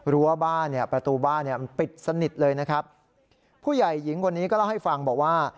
รั้วบ้านเนี่ยประตูบ้านเนี่ยมันปิดสนิทเลยนะครับผู้ใหญ่หญิงคนนี้ก็เล่าให้ฟังบอกว่า